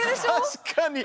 確かに。